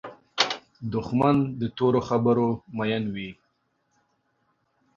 دښمن د تورو خبرو مین وي